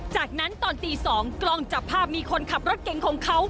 จากนั้นตอนตี๒กล้องจับภาพมีคนขับรถเก่งของเขา